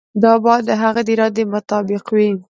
دا باید د هغه د ارادې مطابق وي.